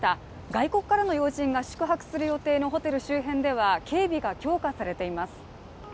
外国からの要人が宿泊する予定のホテル周辺では警備が強化されています。